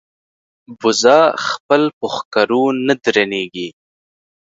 بزه خپل په ښکرو نه درنېږي.